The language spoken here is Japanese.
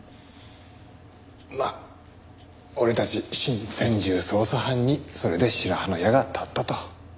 まあ俺たち新専従捜査班にそれで白羽の矢が立ったと。